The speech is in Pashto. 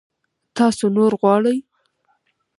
تاسو نور غواړئ؟